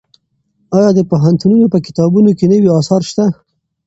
ایا د پوهنتونونو په کتابتونونو کې نوي اثار شته؟